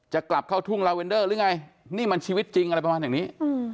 จะกลับเข้าทุ่งลาเวนเดอร์หรือไงนี่มันชีวิตจริงอะไรประมาณอย่างนี้